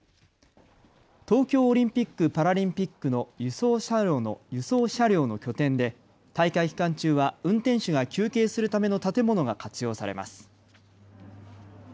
東京オリンピック・パラリンピックの輸送車両の拠点で大会期間中は運転手が休憩するための建物が活用されます。